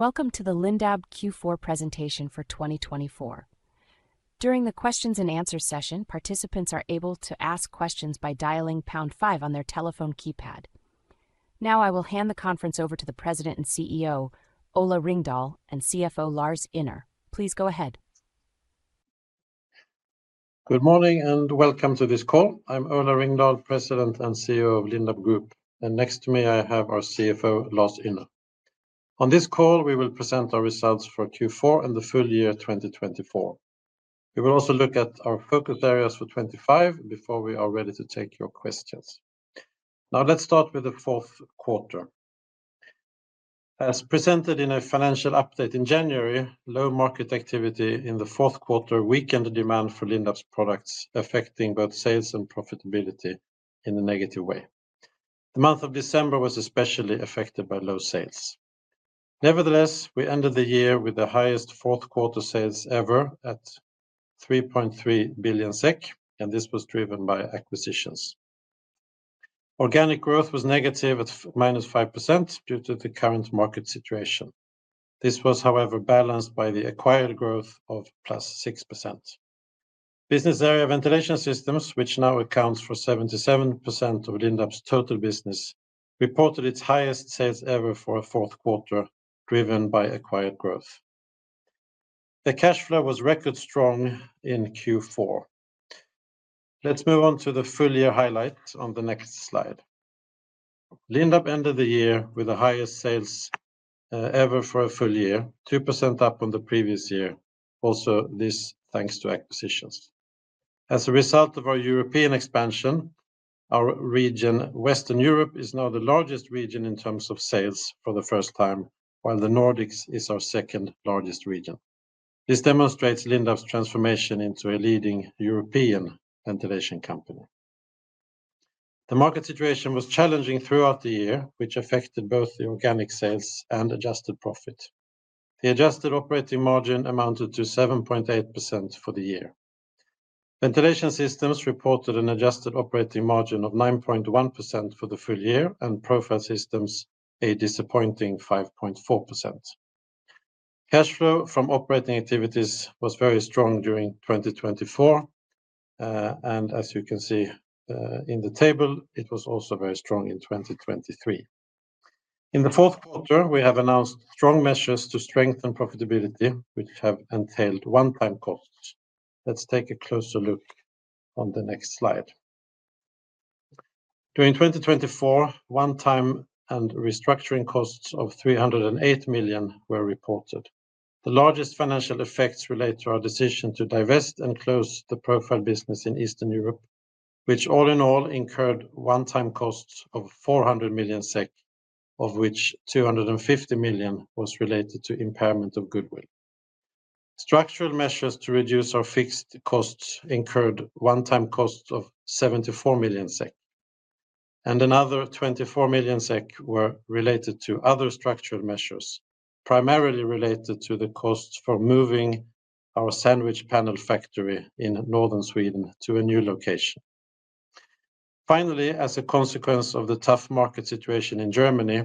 Welcome to the Lindab Q4 presentation for 2024. During the Q&A session, participants are able to ask questions by dialing #5 on their telephone keypad. Now, I will hand the conference over to the President and CEO, Ola Ringdahl, and CFO Lars Ynner. Please go ahead. Good morning and welcome to this call. I'm Ola Ringdahl, President and CEO of Lindab Group, and next to me I have our CFO, Lars Ynner. On this call, we will present our results for Q4 and the full year 2024. We will also look at our focus areas for 2025 before we are ready to take your questions. Now, let's start with the fourth quarter. As presented in a financial update in January, low market activity in the fourth quarter weakened demand for Lindab's products, affecting both sales and profitability in a negative way. The month of December was especially affected by low sales. Nevertheless, we ended the year with the highest fourth-quarter sales ever at 3.3 billion SEK, and this was driven by acquisitions. Organic growth was negative at minus 5% due to the current market situation. This was, however, balanced by the acquired growth of plus 6%. Business Area Ventilation Systems, which now accounts for 77% of Lindab's total business, reported its highest sales ever for a fourth quarter, driven by acquired growth. The cash flow was record-strong in Q4. Let's move on to the full-year highlight on the next slide. Lindab ended the year with the highest sales ever for a full year, 2% up on the previous year, also this thanks to acquisitions. As a result of our European expansion, our region, Western Europe, is now the largest region in terms of sales for the first time, while the Nordics is our second-largest region. This demonstrates Lindab's transformation into a leading European ventilation company. The market situation was challenging throughout the year, which affected both the organic sales and adjusted profit. The adjusted operating margin amounted to 7.8% for the year. Ventilation Systems reported an adjusted operating margin of 9.1% for the full year, and Profile Systems a disappointing 5.4%. Cash flow from operating activities was very strong during 2024, and as you can see in the table, it was also very strong in 2023. In the fourth quarter, we have announced strong measures to strengthen profitability, which have entailed one-time costs. Let's take a closer look on the next slide. During 2024, one-time and restructuring costs of 308 million were reported. The largest financial effects relate to our decision to divest and close the profile business in Eastern Europe, which all in all incurred one-time costs of 400 million SEK, of which 250 million was related to impairment of goodwill. Structural measures to reduce our fixed costs incurred one-time costs of 74 million SEK, and another 24 million SEK were related to other structural measures, primarily related to the costs for moving our sandwich panel factory in northern Sweden to a new location. Finally, as a consequence of the tough market situation in Germany,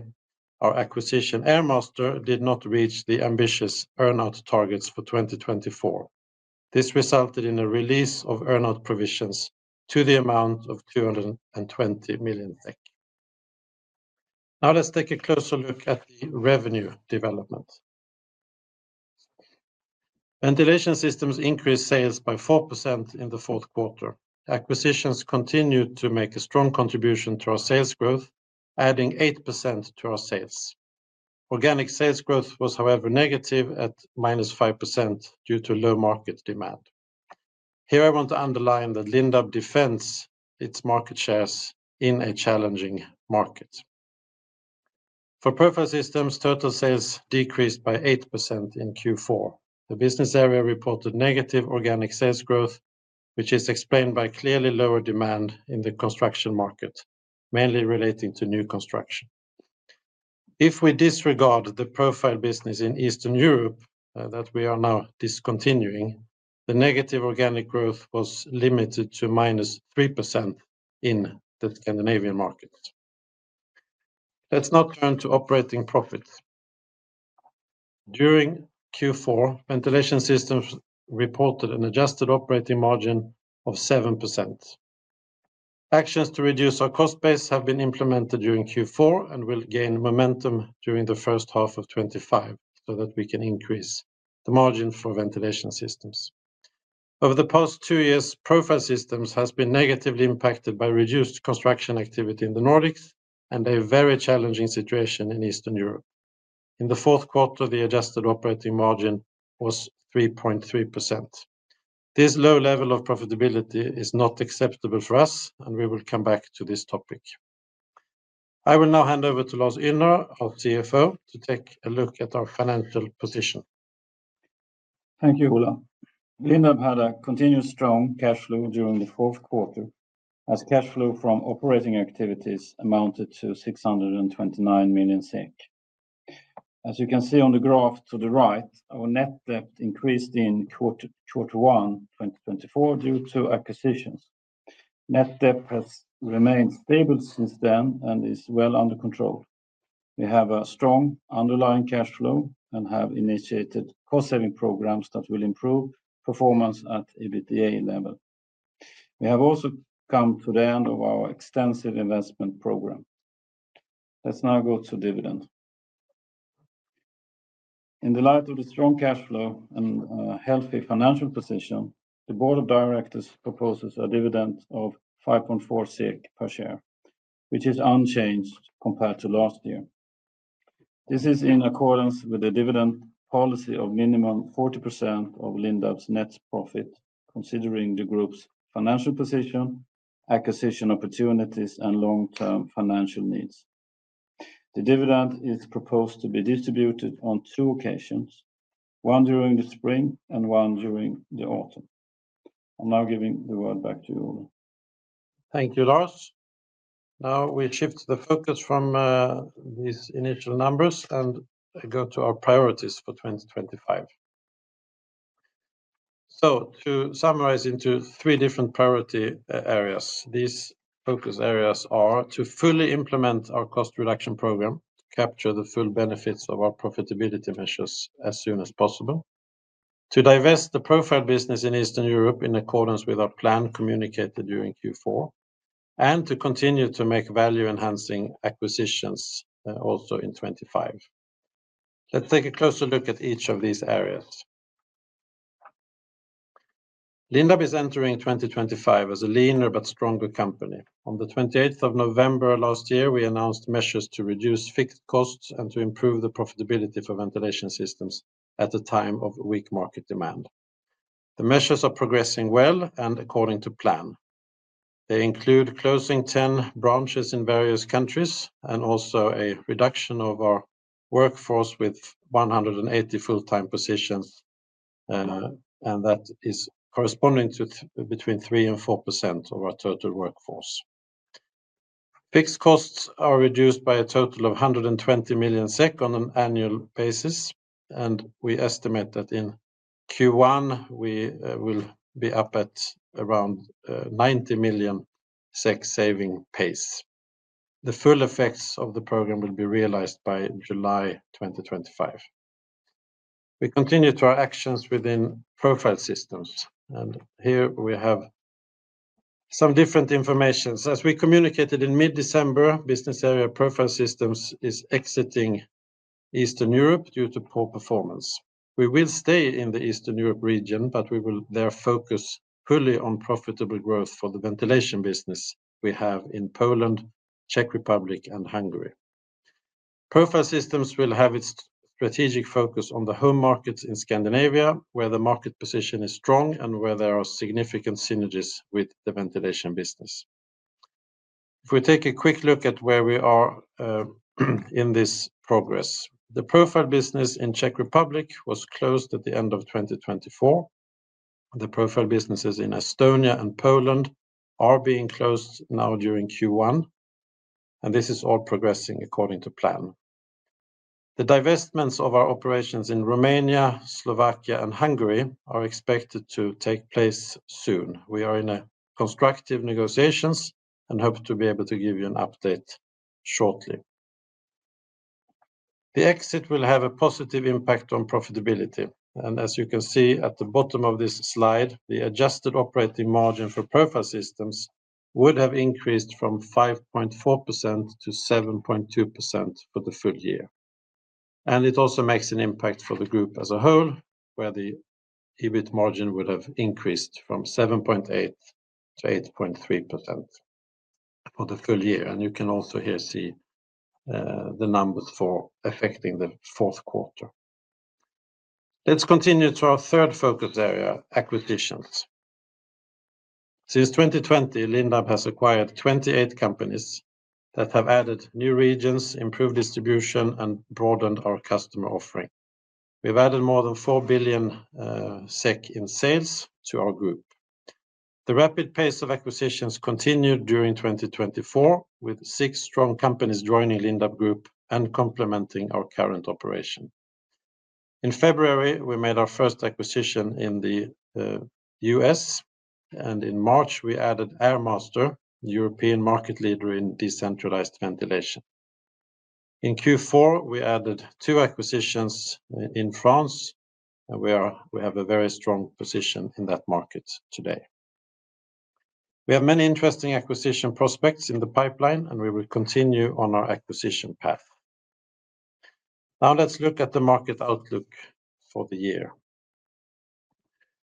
our acquisition, Airmaster, did not reach the ambitious earn-out targets for 2024. This resulted in a release of earn-out provisions to the amount of 220 million SEK. Now, let's take a closer look at the revenue development. Ventilation systems increased sales by 4% in the fourth quarter. Acquisitions continued to make a strong contribution to our sales growth, adding 8% to our sales. Organic sales growth was, however, negative at minus 5% due to low market demand. Here, I want to underline that Lindab defends its market shares in a challenging market. For Profile Systems, total sales decreased by 8% in Q4. The business area reported negative organic sales growth, which is explained by clearly lower demand in the construction market, mainly relating to new construction. If we disregard the profile business in Eastern Europe that we are now discontinuing, the negative organic growth was limited to minus 3% in the Scandinavian market. Let's now turn to operating profits. During Q4, Ventilation Systems reported an adjusted operating margin of 7%. Actions to reduce our cost base have been implemented during Q4 and will gain momentum during the first half of 2025 so that we can increase the margin for Ventilation Systems. Over the past two years, Profile Systems have been negatively impacted by reduced construction activity in the Nordics and a very challenging situation in Eastern Europe. In the fourth quarter, the adjusted operating margin was 3.3%. This low level of profitability is not acceptable for us, and we will come back to this topic. I will now hand over to Lars Ynner, our CFO, to take a look at our financial position. Thank you, Ola. Lindab had a continued strong cash flow during the fourth quarter, as cash flow from operating activities amounted to 629 million SEK. As you can see on the graph to the right, our net debt increased in Q1 2024 due to acquisitions. Net debt has remained stable since then and is well under control. We have a strong underlying cash flow and have initiated cost-saving programs that will improve performance at EBITDA level. We have also come to the end of our extensive investment program. Let's now go to dividend. In the light of the strong cash flow and a healthy financial position, the board of directors proposes a dividend of 5.4 SEK per share, which is unchanged compared to last year. This is in accordance with the dividend policy of minimum 40% of Lindab's net profit, considering the group's financial position, acquisition opportunities, and long-term financial needs. The dividend is proposed to be distributed on two occasions, one during the spring and one during the autumn. I'm now giving the word back to you, Ola. Thank you, Lars. Now, we shift the focus from these initial numbers and go to our priorities for 2025. So, to summarize into three different priority areas, these focus areas are to fully implement our cost reduction program, capture the full benefits of our profitability measures as soon as possible, to divest the profile business in Eastern Europe in accordance with our plan communicated during Q4, and to continue to make value-enhancing acquisitions also in 2025. Let's take a closer look at each of these areas. Lindab is entering 2025 as a leaner but stronger company. On the 28th of November last year, we announced measures to reduce fixed costs and to improve the profitability for ventilation systems at a time of weak market demand. The measures are progressing well and according to plan. They include closing 10 branches in various countries and also a reduction of our workforce with 180 full-time positions, and that is corresponding to between 3% and 4% of our total workforce. Fixed costs are reduced by a total of 120 million SEK on an annual basis, and we estimate that in Q1, we will be up at around 90 million SEK saving pace. The full effects of the program will be realized by July 2025. We continue to our actions within Profile Systems, and here we have some different information. As we communicated in mid-December, business area Profile Systems is exiting Eastern Europe due to poor performance. We will stay in the Eastern Europe region, but we will there focus purely on profitable growth for the ventilation business we have in Poland, Czech Republic, and Hungary. Profile Systems will have its strategic focus on the home markets in Scandinavia, where the market position is strong and where there are significant synergies with the ventilation business. If we take a quick look at where we are in this progress, the profile business in Czech Republic was closed at the end of 2024. The profile businesses in Estonia and Poland are being closed now during Q1, and this is all progressing according to plan. The divestments of our operations in Romania, Slovakia, and Hungary are expected to take place soon. We are in constructive negotiations and hope to be able to give you an update shortly. The exit will have a positive impact on profitability, and as you can see at the bottom of this slide, the adjusted operating margin for Profile Systems would have increased from 5.4% to 7.2% for the full year. It also makes an impact for the group as a whole, where the EBIT margin would have increased from 7.8% to 8.3% for the full year. You can also here see the numbers for affecting the fourth quarter. Let's continue to our third focus area, acquisitions. Since 2020, Lindab has acquired 28 companies that have added new regions, improved distribution, and broadened our customer offering. We've added more than 4 billion SEK in sales to our group. The rapid pace of acquisitions continued during 2024, with six strong companies joining Lindab Group and complementing our current operation. In February, we made our first acquisition in the U.S., and in March, we added Airmaster, the European market leader in decentralized ventilation. In Q4, we added two acquisitions in France, and we have a very strong position in that market today. We have many interesting acquisition prospects in the pipeline, and we will continue on our acquisition path. Now, let's look at the market outlook for the year,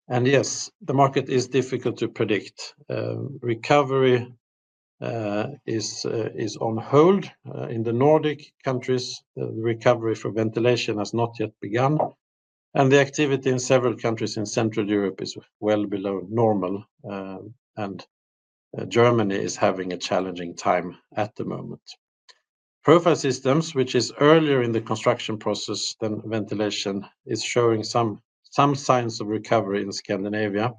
and yes, the market is difficult to predict. Recovery is on hold in the Nordic countries. The recovery for ventilation has not yet begun, and the activity in several countries in Central Europe is well below normal, and Germany is having a challenging time at the moment. Profile Systems, which is earlier in the construction process than ventilation, is showing some signs of recovery in Scandinavia,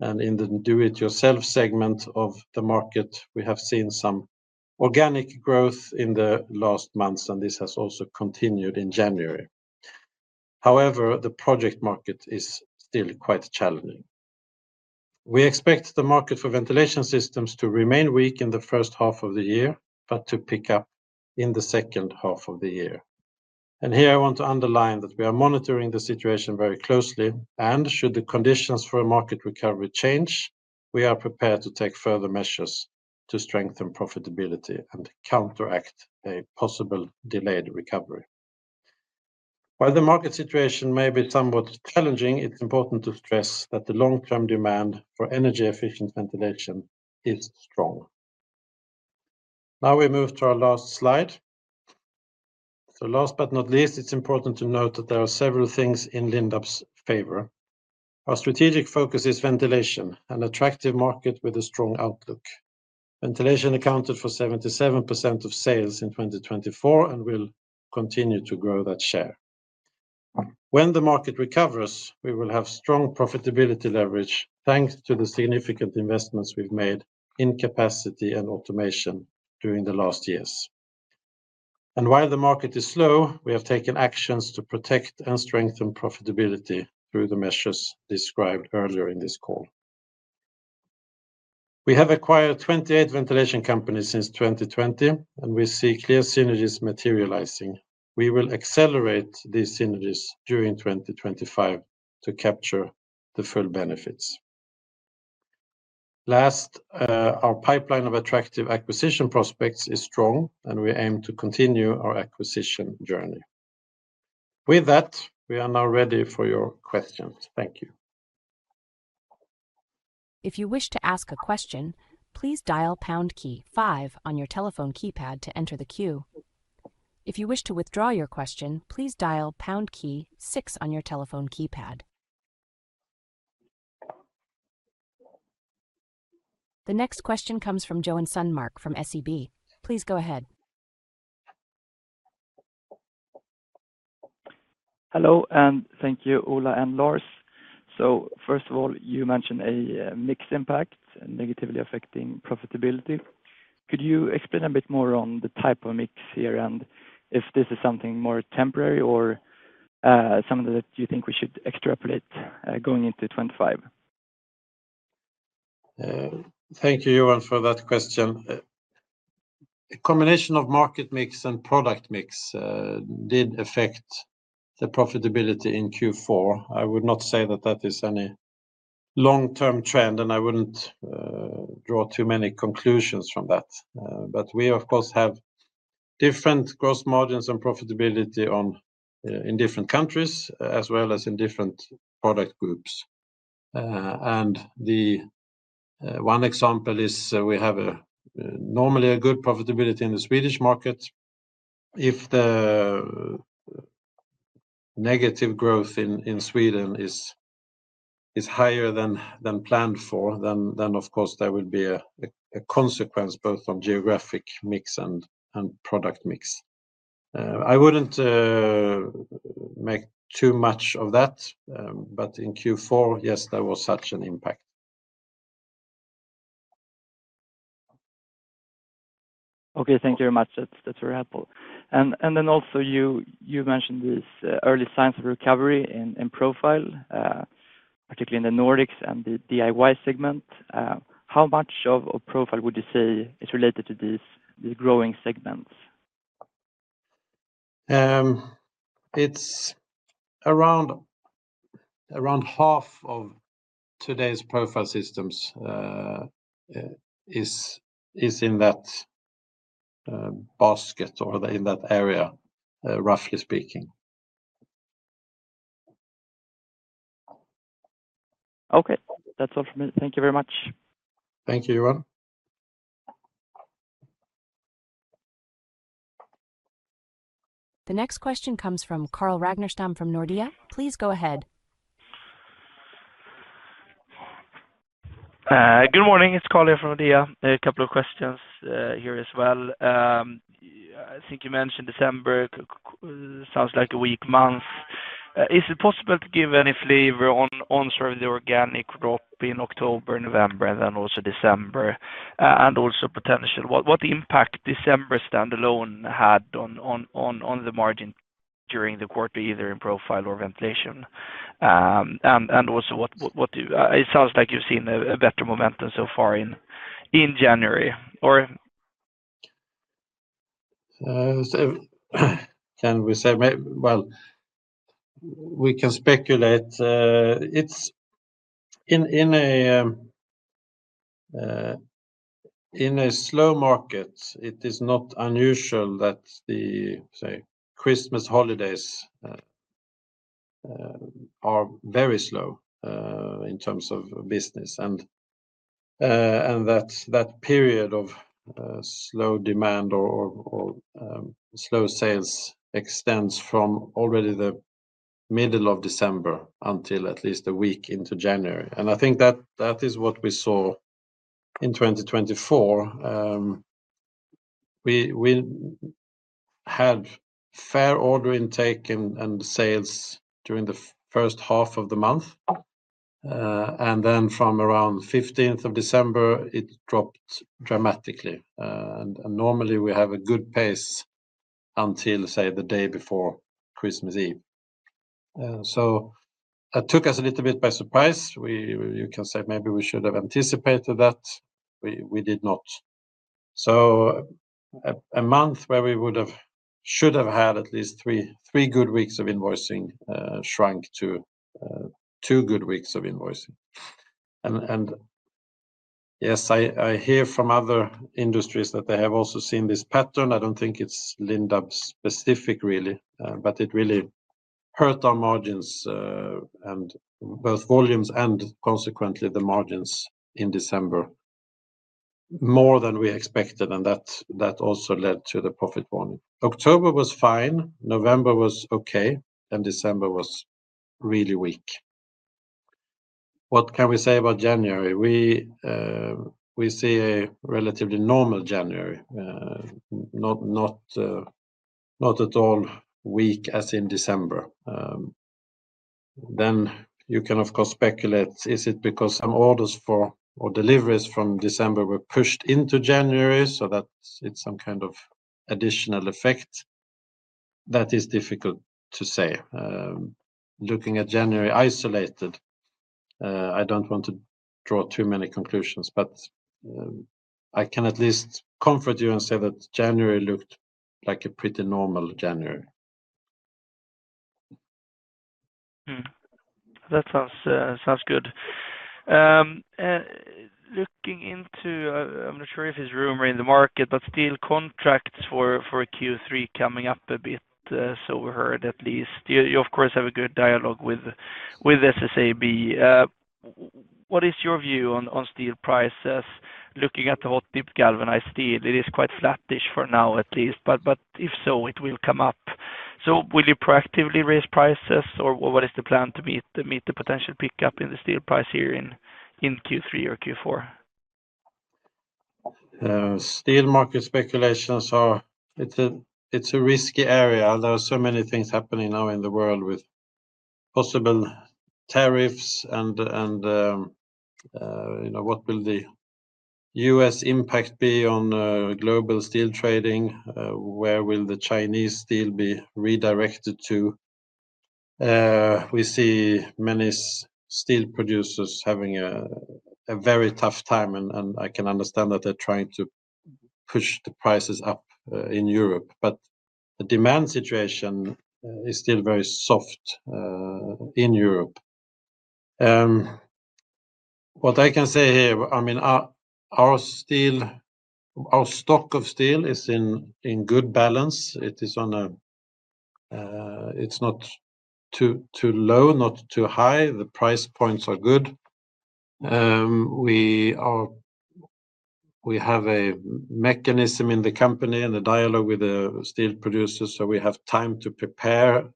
and in the do-it-yourself segment of the market, we have seen some organic growth in the last months, and this has also continued in January. However, the project market is still quite challenging. We expect the market for ventilation systems to remain weak in the first half of the year, but to pick up in the second half of the year, and here, I want to underline that we are monitoring the situation very closely, and should the conditions for a market recovery change, we are prepared to take further measures to strengthen profitability and counteract a possible delayed recovery. While the market situation may be somewhat challenging, it's important to stress that the long-term demand for energy-efficient ventilation is strong. Now, we move to our last slide, so, last but not least, it's important to note that there are several things in Lindab's favor. Our strategic focus is ventilation, an attractive market with a strong outlook. Ventilation accounted for 77% of sales in 2024 and will continue to grow that share. When the market recovers, we will have strong profitability leverage thanks to the significant investments we've made in capacity and automation during the last years, and while the market is slow, we have taken actions to protect and strengthen profitability through the measures described earlier in this call. We have acquired 28 ventilation companies since 2020, and we see clear synergies materializing. We will accelerate these synergies during 2025 to capture the full benefits. Last, our pipeline of attractive acquisition prospects is strong, and we aim to continue our acquisition journey. With that, we are now ready for your questions. Thank you. If you wish to ask a question, please dial pound key 5 on your telephone keypad to enter the queue. If you wish to withdraw your question, please dial pound key 6 on your telephone keypad. The next question comes from Joen Sundmark from SEB. Please go ahead. Hello, and thank you, Ola and Lars. So, first of all, you mentioned a mixed impact negatively affecting profitability. Could you explain a bit more on the type of mix here and if this is something more temporary or something that you think we should extrapolate going into 2025? Thank you, Joen, for that question. A combination of market mix and product mix did affect the profitability in Q4. I would not say that that is any long-term trend, and I wouldn't draw too many conclusions from that. But we, of course, have different gross margins and profitability in different countries as well as in different product groups. And one example is we have normally a good profitability in the Swedish market. If the negative growth in Sweden is higher than planned for, then, of course, there will be a consequence both on geographic mix and product mix. I wouldn't make too much of that, but in Q4, yes, there was such an impact. Okay, thank you very much. That's very helpful. And then also, you mentioned these early signs of recovery in Profile, particularly in the Nordics and the DIY segment. How much of Profile would you say is related to these growing segments? It's around half of today's Profile Systems is in that basket or in that area, roughly speaking. Okay, that's all from me. Thank you very much. Thank you, Johan. The next question comes from Carl Ragnerstam from Nordea. Please go ahead. Good morning. It's Carl here from Nordea. A couple of questions here as well. I think you mentioned December sounds like a weak month. Is it possible to give any flavor on sort of the organic drop in October, November, and then also December, and also potential? What impact December standalone had on the margin during the quarter, either in profile or ventilation? And also, it sounds like you've seen a better momentum so far in January, or? Can we say, well, we can speculate. In a slow market, it is not unusual that the Christmas holidays are very slow in terms of business, and that period of slow demand or slow sales extends from already the middle of December until at least a week into January. And I think that is what we saw in 2024. We had fair order intake and sales during the first half of the month, and then from around the 15th of December, it dropped dramatically. And normally, we have a good pace until, say, the day before Christmas Eve. So it took us a little bit by surprise. You can say maybe we should have anticipated that. We did not. So a month where we should have had at least three good weeks of invoicing shrank to two good weeks of invoicing. Yes, I hear from other industries that they have also seen this pattern. I don't think it's Lindab specific, really, but it really hurt our margins, both volumes and consequently the margins in December, more than we expected, and that also led to the profit warning. October was fine. November was okay, and December was really weak. What can we say about January? We see a relatively normal January, not at all weak as in December. Then you can, of course, speculate, is it because some orders for or deliveries from December were pushed into January, so that it's some kind of additional effect? That is difficult to say. Looking at January isolated, I don't want to draw too many conclusions, but I can at least comfort you and say that January looked like a pretty normal January. That sounds good. Looking into, I'm not sure if it's room in the market, but still contracts for Q3 coming up a bit, so we heard at least. You, of course, have a good dialogue with SSAB. What is your view on steel prices? Looking at the hot dip galvanized steel, it is quite flattish for now at least, but if so, it will come up. So will you proactively raise prices, or what is the plan to meet the potential pickup in the steel price here in Q3 or Q4? Steel market speculations are. It's a risky area. There are so many things happening now in the world with possible tariffs and what will the U.S. impact be on global steel trading? Where will the Chinese steel be redirected to? We see many steel producers having a very tough time, and I can understand that they're trying to push the prices up in Europe, but the demand situation is still very soft in Europe. What I can say here, I mean, our stock of steel is in good balance. It's not too low, not too high. The price points are good. We have a mechanism in the company and a dialogue with the steel producers, so we have time to prepare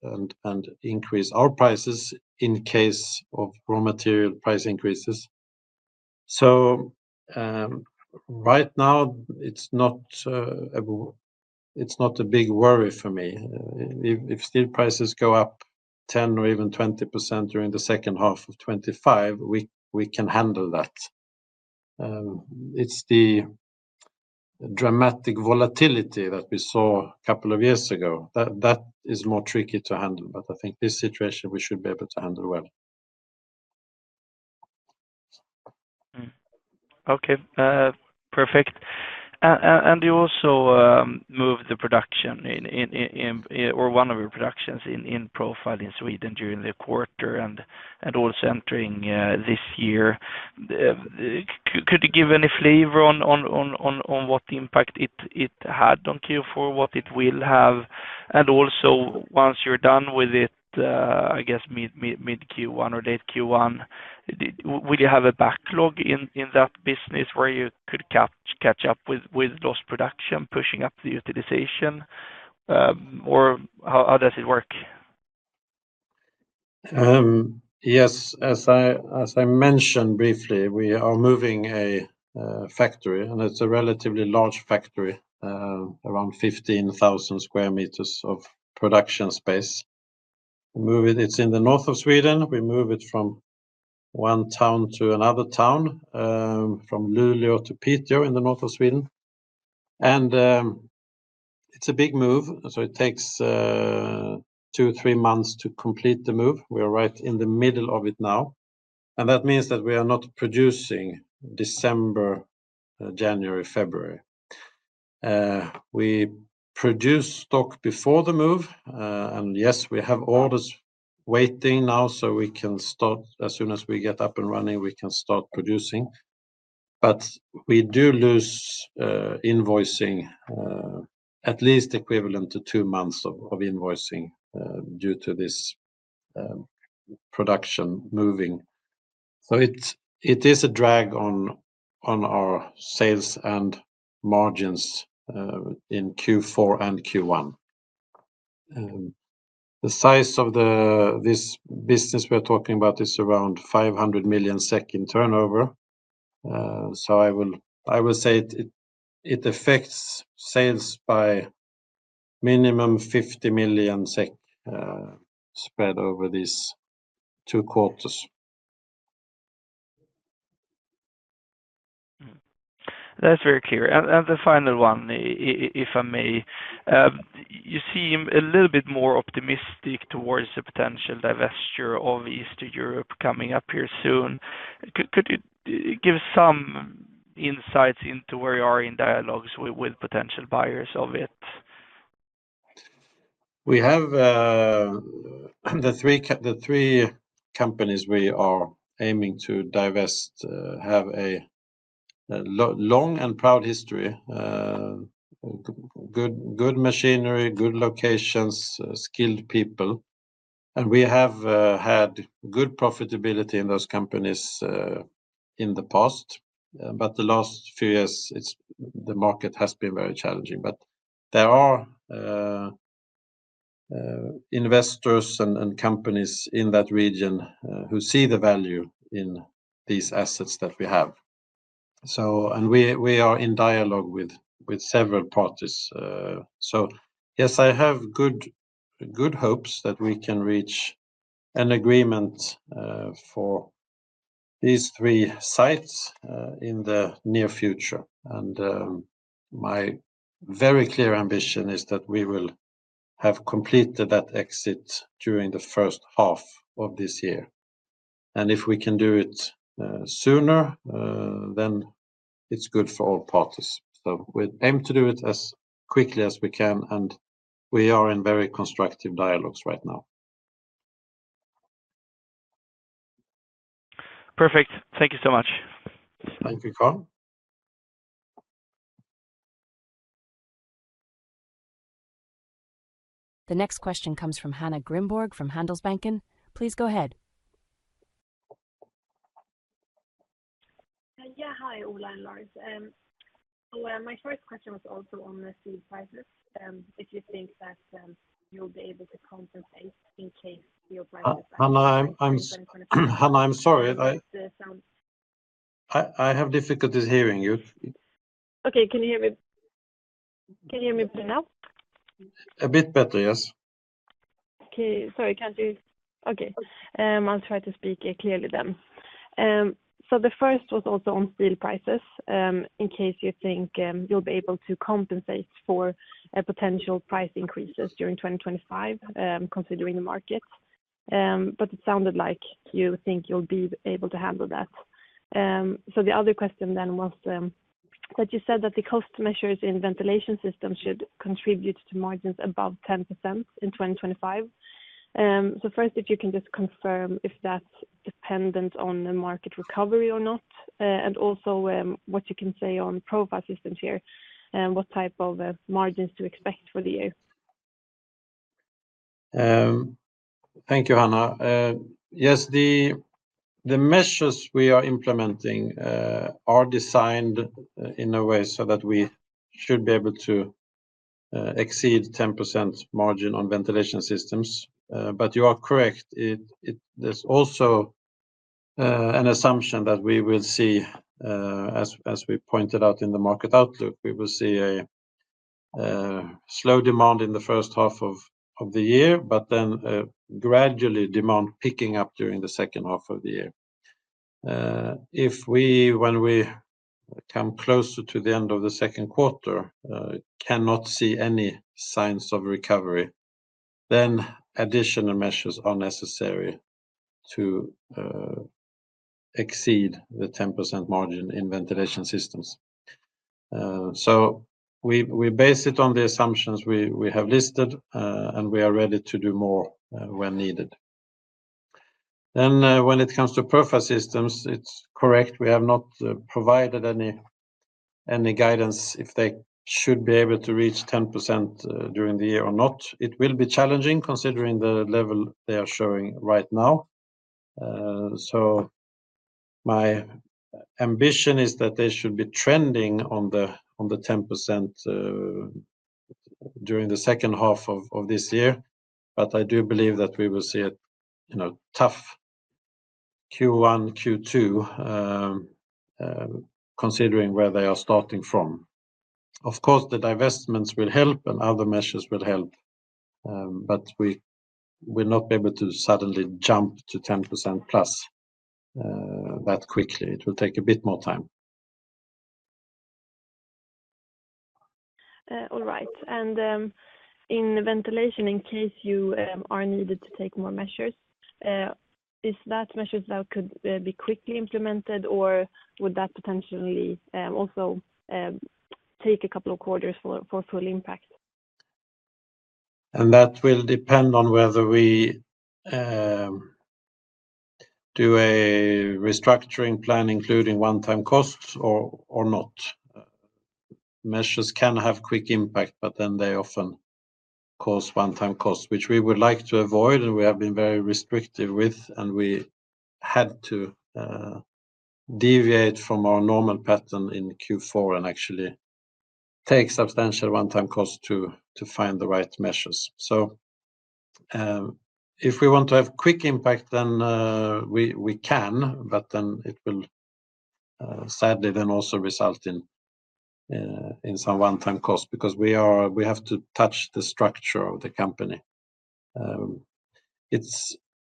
and increase our prices in case of raw material price increases. So right now, it's not a big worry for me. If steel prices go up 10% or even 20% during the second half of 2025, we can handle that. It's the dramatic volatility that we saw a couple of years ago. That is more tricky to handle, but I think this situation we should be able to handle well. Okay, perfect, and you also moved the production or one of your productions in profile in Sweden during the quarter and also entering this year. Could you give any flavor on what impact it had on Q4, what it will have and also, once you're done with it, I guess mid-Q1 or late Q1, will you have a backlog in that business where you could catch up with those production pushing up the utilization, or how does it work? Yes, as I mentioned briefly, we are moving a factory, and it's a relatively large factory, around 15,000 square meters of production space. It's in the north of Sweden. We move it from one town to another town, from Luleå to Piteå in the north of Sweden. And it's a big move, so it takes two, three months to complete the move. We are right in the middle of it now. And that means that we are not producing December, January, February. We produce stock before the move, and yes, we have orders waiting now, so we can start as soon as we get up and running, we can start producing. But we do lose invoicing, at least equivalent to two months of invoicing due to this production moving. So it is a drag on our sales and margins in Q4 and Q1. The size of this business we're talking about is around 500 million SEK in turnover. So I will say it affects sales by minimum 50 million SEK spread over these two quarters. That's very clear. And the final one, if I may, you seem a little bit more optimistic towards the potential divestiture of Eastern Europe coming up here soon. Could you give some insights into where you are in dialogues with potential buyers of it? The three companies we are aiming to divest have a long and proud history, good machinery, good locations, skilled people, and we have had good profitability in those companies in the past, but the last few years, the market has been very challenging, but there are investors and companies in that region who see the value in these assets that we have, and we are in dialogue with several parties, so yes, I have good hopes that we can reach an agreement for these three sites in the near future, and my very clear ambition is that we will have completed that exit during the first half of this year, and if we can do it sooner, then it's good for all parties, so we aim to do it as quickly as we can, and we are in very constructive dialogues right now. Perfect. Thank you so much. Thank you, Carl. The next question comes from Hanna Grimborg from Handelsbanken. Please go ahead. Yeah, hi, Ola and Lars. My first question was also on the steel prices. If you think that you'll be able to compensate in case steel prices are going up? Hanna, I'm sorry. I have difficulties hearing you. Okay, can you hear me better now? A bit better, yes. Okay, sorry, can't you? Okay, I'll try to speak clearly then. So the first was also on steel prices in case you think you'll be able to compensate for potential price increases during 2025, considering the market. But it sounded like you think you'll be able to handle that. So the other question then was that you said that the cost measures in Ventilation Systems should contribute to margins above 10% in 2025. So first, if you can just confirm if that's dependent on the market recovery or not, and also what you can say on Profile Systems here, what type of margins to expect for the year. Thank you, Hanna. Yes, the measures we are implementing are designed in a way so that we should be able to exceed 10% margin on ventilation systems, but you are correct. There's also an assumption that we will see, as we pointed out in the market outlook, we will see a slow demand in the first half of the year, but then a gradual demand picking up during the second half of the year. If we, when we come closer to the end of the second quarter, cannot see any signs of recovery, then additional measures are necessary to exceed the 10% margin in ventilation systems, so we base it on the assumptions we have listed, and we are ready to do more when needed, then when it comes to profile systems, it's correct. We have not provided any guidance if they should be able to reach 10% during the year or not. It will be challenging considering the level they are showing right now. So my ambition is that they should be trending on the 10% during the second half of this year, but I do believe that we will see a tough Q1, Q2, considering where they are starting from. Of course, the divestments will help, and other measures will help, but we will not be able to suddenly jump to 10% plus that quickly. It will take a bit more time. All right. And in ventilation, in case you are needed to take more measures, is that measure that could be quickly implemented, or would that potentially also take a couple of quarters for full impact? That will depend on whether we do a restructuring plan, including one-time costs or not. Measures can have quick impact, but then they often cause one-time costs, which we would like to avoid, and we have been very restrictive with, and we had to deviate from our normal pattern in Q4 and actually take substantial one-time costs to find the right measures. So if we want to have quick impact, then we can, but then it will sadly then also result in some one-time costs because we have to touch the structure of the company.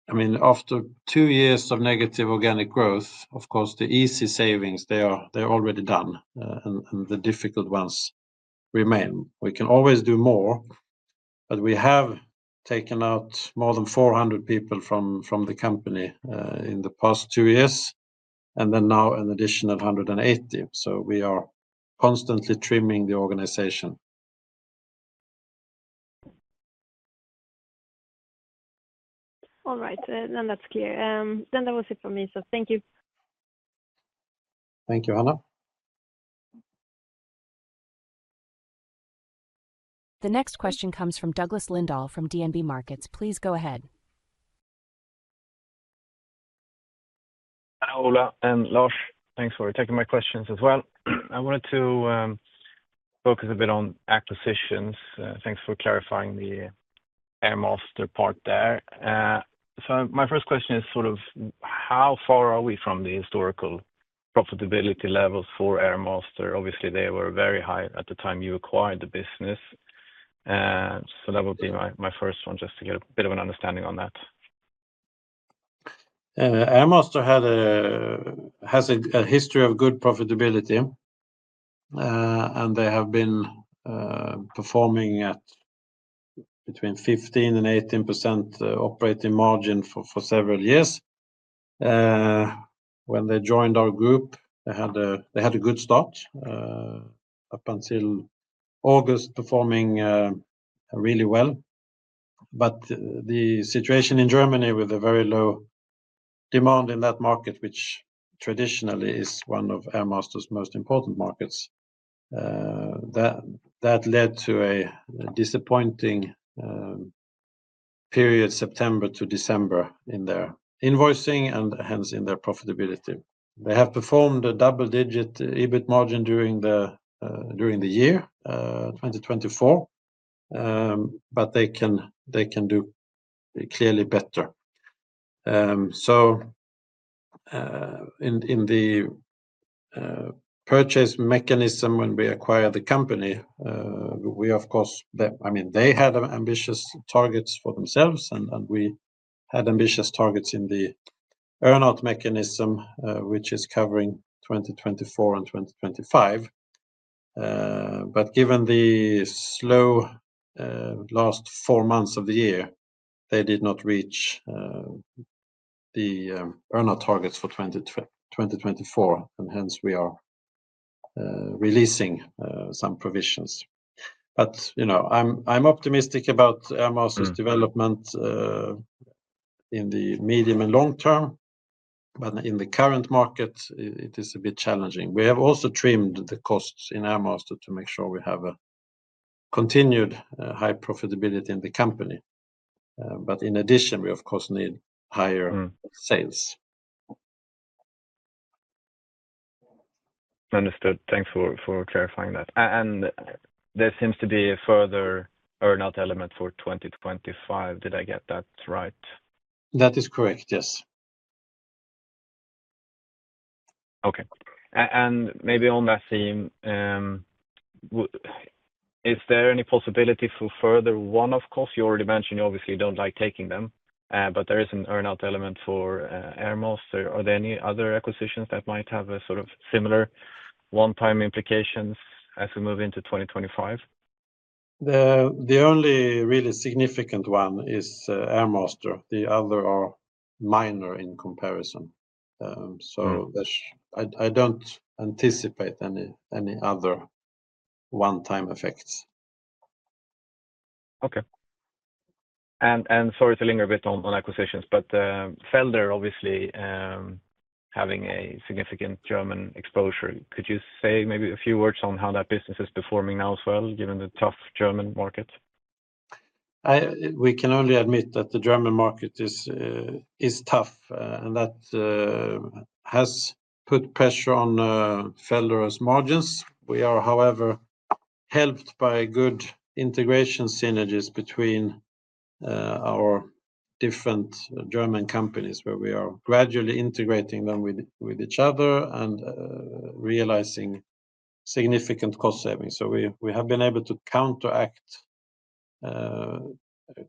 I mean, after two years of negative organic growth, of course, the easy savings, they're already done, and the difficult ones remain. We can always do more, but we have taken out more than 400 people from the company in the past two years, and then now an additional 180. We are constantly trimming the organization. All right. Then that's clear. Then that was it for me. So thank you. Thank you, Hanna. The next question comes from Douglas Lindahl from DNB Markets. Please go ahead. Hello, Ola and Lars. Thanks for taking my questions as well. I wanted to focus a bit on acquisitions. Thanks for clarifying the Airmaster part there. So my first question is sort of how far are we from the historical profitability levels for Airmaster? Obviously, they were very high at the time you acquired the business. So that would be my first one, just to get a bit of an understanding on that. Airmaster has a history of good profitability, and they have been performing at between 15% and 18% operating margin for several years. When they joined our group, they had a good start up until August, performing really well. But the situation in Germany with a very low demand in that market, which traditionally is one of Airmaster's most important markets, that led to a disappointing period, September to December, in their invoicing and hence in their profitability. They have performed a double-digit EBIT margin during the year 2024, but they can do clearly better. So in the purchase mechanism, when we acquired the company, we, of course, I mean, they had ambitious targets for themselves, and we had ambitious targets in the earn-out mechanism, which is covering 2024 and 2025. But given the slow last four months of the year, they did not reach the earnout targets for 2024, and hence we are releasing some provisions. But I'm optimistic about Airmaster's development in the medium and long term, but in the current market, it is a bit challenging. We have also trimmed the costs in Airmaster to make sure we have a continued high profitability in the company. But in addition, we, of course, need higher sales. Understood. Thanks for clarifying that. And there seems to be a further earn-out element for 2025. Did I get that right? That is correct, yes. Okay. And maybe on that theme, is there any possibility for further one-off costs? You already mentioned you obviously don't like taking them, but there is an earnout element for Airmaster. Are there any other acquisitions that might have a sort of similar one-time implications as we move into 2025? The only really significant one is Airmaster. The other are minor in comparison. So I don't anticipate any other one-time effects. Okay, and sorry to linger a bit on acquisitions, but Felderer, obviously, having a significant German exposure, could you say maybe a few words on how that business is performing now as well, given the tough German market? We can only admit that the German market is tough, and that has put pressure on Felderer's margins. We are, however, helped by good integration synergies between our different German companies, where we are gradually integrating them with each other and realizing significant cost savings. So we have been able to counteract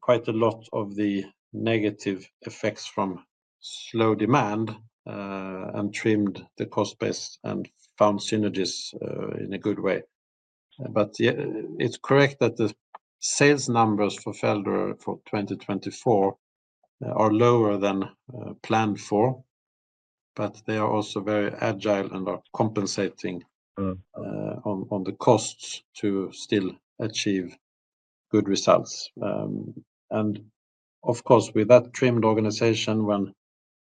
quite a lot of the negative effects from slow demand and trimmed the cost base and found synergies in a good way. But it's correct that the sales numbers for Felderer for 2024 are lower than planned for, but they are also very agile and are compensating on the costs to still achieve good results. And of course, with that trimmed organization, when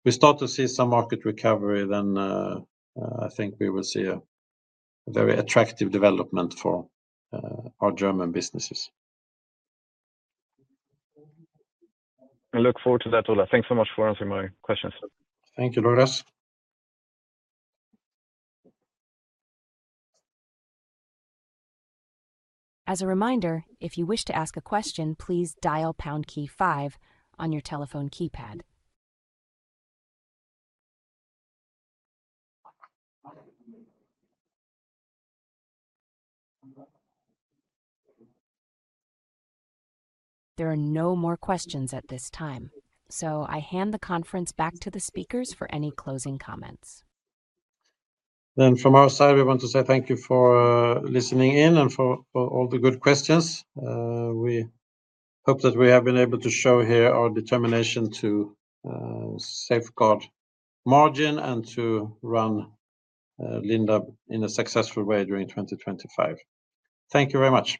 we start to see some market recovery, then I think we will see a very attractive development for our German businesses. I look forward to that, Ola. Thanks so much for answering my questions. Thank you, Douglas. As a reminder, if you wish to ask a question, please dial pound key five on your telephone keypad. There are no more questions at this time. So I hand the conference back to the speakers for any closing comments. Then from our side, we want to say thank you for listening in and for all the good questions. We hope that we have been able to show here our determination to safeguard margin and to run Lindab in a successful way during 2025. Thank you very much.